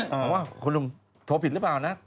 บอกว่าคุณลุงโทรผิดหรือเปล่านะ